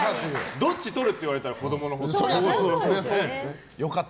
どっちとる？っていわれたら子供ですか。